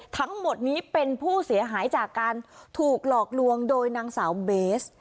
ทั้งหมดนี้เป็นผู้เสียหายจากการถูกหลอกลวงโดยนางสาวเบส